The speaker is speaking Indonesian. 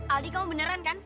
aldi kamu beneran kan